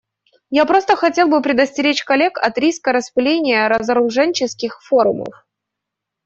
Я просто хотел бы предостеречь коллег от риска распыления разоружененческих форумов.